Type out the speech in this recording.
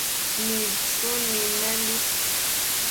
Nidshun nidmenbi